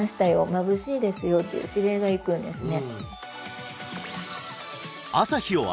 まぶしいですよっていう指令がいくんですね